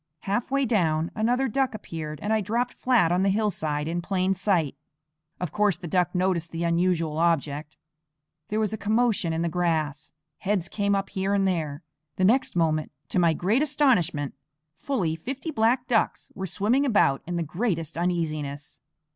Halfway down, another duck appeared, and I dropped flat on the hillside in plain sight. Of course the duck noticed the unusual object. There was a commotion in the grass; heads came up here and there. The next moment, to my great astonishment, fully fifty black ducks were swimming about in the greatest uneasiness.